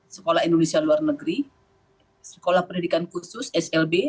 sekolah indonesia luar negeri sekolah pendidikan khusus slb